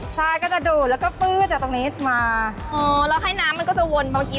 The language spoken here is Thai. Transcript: ใช่ก็จะดูดแล้วก็ผืดใช้จะตรงนี้มามันก็จะวนบางที